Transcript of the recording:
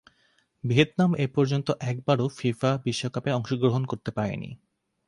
Vietnam এপর্যন্ত একবারও FIFA বিশ্বকাপে অংশগ্রহণ করতে পারেনি।